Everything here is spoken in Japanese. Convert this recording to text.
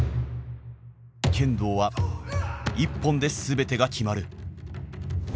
剣道は一本で全てが決まる。